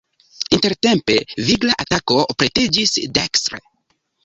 Intertempe vigla atako pretiĝis dekstre.